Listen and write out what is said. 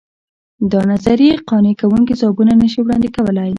دا نظریې قانع کوونکي ځوابونه نه شي وړاندې کولای.